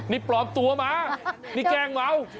นี่ปลอมตัวมานี่แกล้งเมา